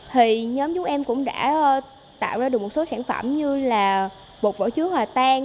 thì nhóm chúng em cũng đã tạo ra được một số sản phẩm như là bột vỏ chứa hòa tan